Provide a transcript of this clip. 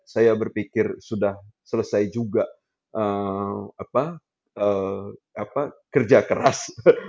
saya berpikir sudah selesai juga kerja keras